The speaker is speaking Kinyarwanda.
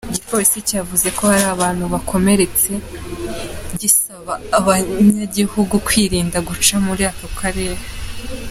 Igipolisi cavuze ko hari abantu bakomeretse, gisaba abanyagihugu kwirinda guca muri ako karere.